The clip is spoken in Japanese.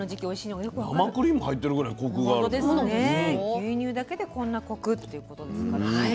牛乳だけでこんなコクっていうことですからね。